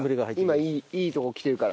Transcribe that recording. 今いいとこきてるから。